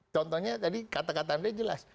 contohnya tadi kata kata anda jelas